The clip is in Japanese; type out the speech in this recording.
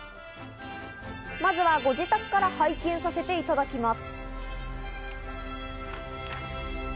まずはご自宅から拝見させていただきます。